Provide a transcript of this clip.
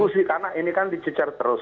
bukan diskusi karena ini kan dicecar terus